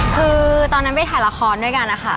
คือตอนนั้นไปถ่ายละครด้วยกันนะคะ